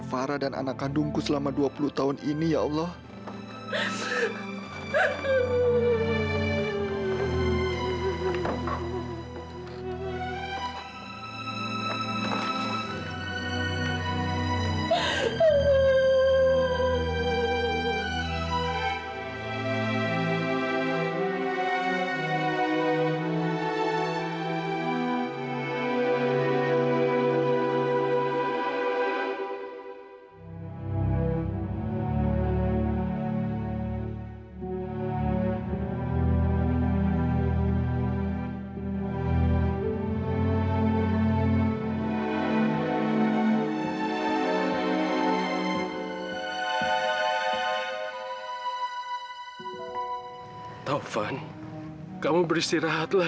terima kasih mbak marta